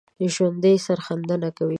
ژوندي سرښندنه کوي